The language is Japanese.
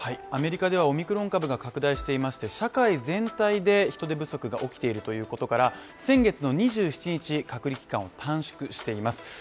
アメリカではオミクロン株が拡大していまして社会全体で人手不足が起きているということから先月の２７日、隔離期間を短縮しています。